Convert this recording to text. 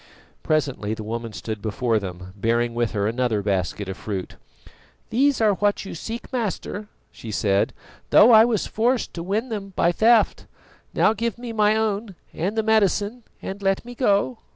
Presently the woman stood before them, bearing with her another basket of fruit. "These are what you seek, Master," she said, "though I was forced to win them by theft. Now give me my own and the medicine and let me go."